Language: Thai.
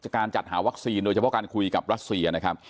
การจัดหาวัคซีนโดยเฉพาะการคุยกับรัสเซียนะครับ